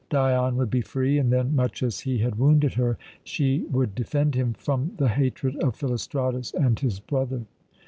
Dion would be free, and then, much as he had wounded her, she would defend him from the hatred of Philostratus and his brother.